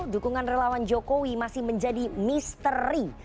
dukungan relawan jokowi masih menjadi misteri